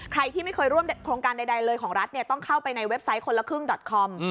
ใครที่ไม่เคยร่วมโครงการใดเลยของรัฐต้องเข้าไปในเว็บไซต์คนละครึ่งดอตคอม